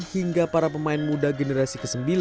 hingga para pemain muda generasi ke sembilan